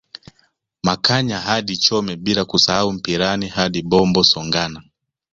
Makanya hadi Chome bila kusahau Mpirani hadi Bombo Songana